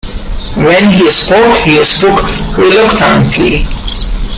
When he spoke, he spoke reluctantly.